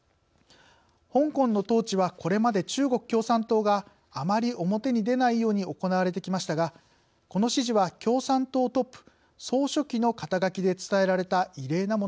香港の統治はこれまで中国共産党があまり表に出ないように行われてきましたがこの指示は共産党トップ総書記の肩書で伝えられた異例なものでした。